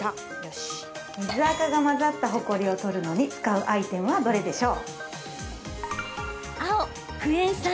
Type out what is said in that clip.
水あかが混ざったほこりを取るのに使うアイテムはどれでしょう？